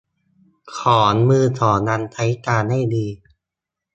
ของมือสองยังใช้การได้ดี